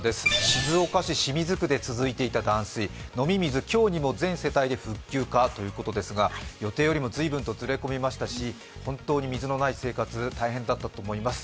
静岡市清水区で続いていた断水、飲み水、今日にも全世帯に復旧かということですが、予定よりもずいぶんとずれ込みましたし、本当に水のない生活、大変だったと思います。